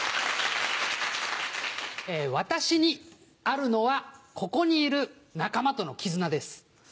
私にあるのはここにいる仲間との絆です。